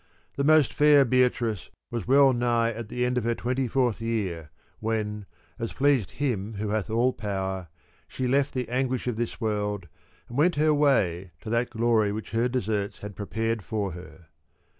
The most fair Beatrice was well nigh at the end of her twenty fourth year, when, as pleased Him who hath all power, she left the anguish of this world and went her way to that glory which her deserts had prepared for her.